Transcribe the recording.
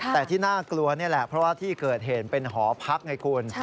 แต่ที่น่ากลัวนี่แหละเพราะว่าที่เกิดเหตุเป็นหอพักไงคุณ